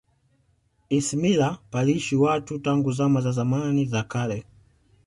ismila paliishi watu tangu zama za zamani za kale